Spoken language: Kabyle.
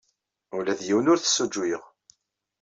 Ula d yiwen ur t-ssujjuyeɣ.